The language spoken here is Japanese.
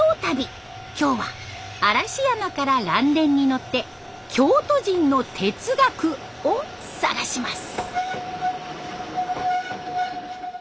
今日は嵐山から嵐電に乗って「京都人の哲学」を探します。